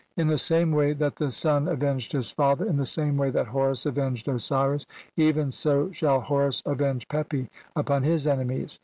"In the same way that the son avenged his father, "in the same way that Horus avenged Osiris, (15) "even so shall Horus avenge Pepi upon his enemies.